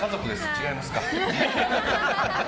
違いますか。